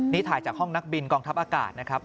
นี่ถ่ายจากห้องนักบินกองทัพอากาศนะครับ